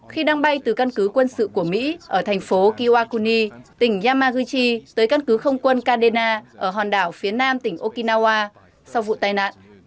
khi đang bay từ căn cứ quân sự của mỹ ở thành phố kiwakuni tỉnh yamaguchi tới căn cứ không quân kadena ở hòn đảo phía nam tỉnh okinawa sau vụ tai nạn